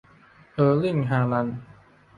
เออร์ลิ่ง ฮาลันด์